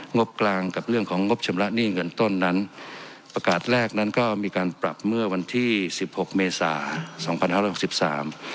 งบกลางกับเรื่องของงบชำระหนี้เงินต้นนั้นประกาศแรกนั้นก็มีการปรับเมื่อวันที่สิบหกเมษาสองพันห้าร้อยหกสิบสาม